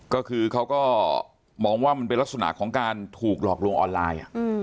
ก็คือเขาก็มองว่ามันเป็นลักษณะของการถูกหลอกลวงออนไลน์